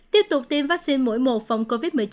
tiếp tục tiêm vaccine mũi một phòng covid một mươi chín